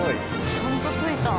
ちゃんと着いた。